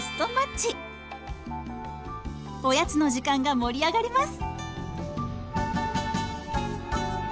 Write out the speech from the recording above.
おやつの時間が盛り上がります！